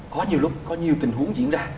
có nhiều lúc có nhiều tình huống diễn ra